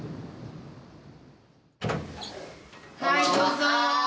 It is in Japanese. はいどうぞ！